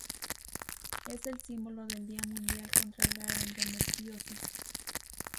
Es el símbolo del Día Mundial contra la Endometriosis.